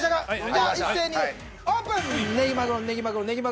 では一斉にオープン。